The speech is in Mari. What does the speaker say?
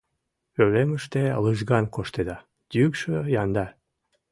Пӧлемыште лыжган коштеда, йӱкшӧ яндар.